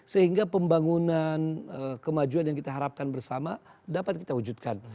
sehingga pembangunan kemajuan yang kita harapkan bersama dapat kita wujudkan